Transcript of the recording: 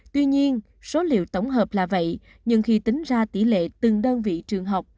tuy nhiên số liệu tổng hợp là vậy nhưng khi tính ra tỷ lệ từng đơn vị trường học